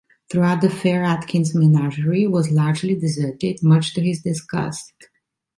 Throughout the fair Atkins' menagerie was largely deserted, much to his disgust.